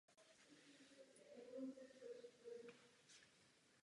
Vedle toho vyučoval kontrapunkt na Státní střední škole hudební v Lodži.